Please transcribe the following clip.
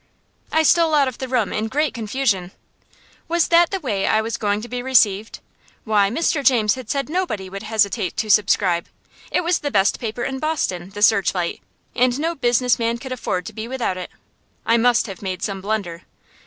I stole out of the room in great confusion. Was that the way I was going to be received? Why, Mr. James had said nobody would hesitate to subscribe. It was the best paper in Boston, the "Searchlight," and no business man could afford to be without it. I must have made some blunder.